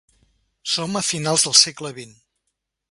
Som a finals del segle vint.